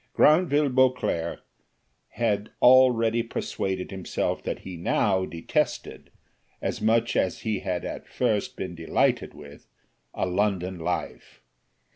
Granville Beauclerc had already persuaded himself that he now detested, as much as he had at first been delighted with, a London life.